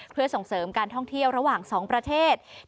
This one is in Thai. เพื่อส่งเสริมการท่องเที่ยวระหว่าง๒ประเทศ